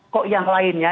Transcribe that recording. kok yang lainnya